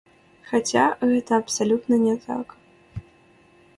Хаця, гэта абсалютна не так.